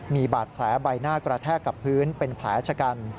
มีบาดแผลใบหน้ากระแทกกับพื้นเป็นแผลชะกัน